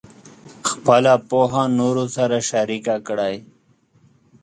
خپله پوهه نورو سره شریکه کړئ.